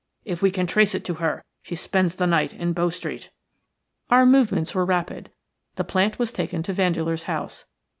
If we can trace it to her, she spends the night in Bow Street." Our movements were rapid. The plant was taken to Vandeleur's house.